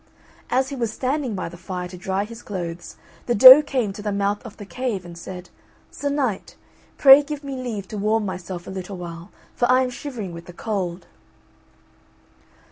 As he was standing by the fire to dry his clothes, the doe came to the mouth of the cave, and said, "Sir Knight, pray give me leave to warm myself a little while, for I am shivering with the cold."